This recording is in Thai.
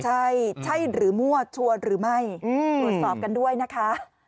ใช่ใช่หรือมั่วชวนหรือไม่ตรวจสอบกันด้วยนะคะ